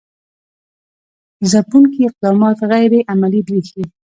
ځپونکي اقدامات غیر عملي برېښي.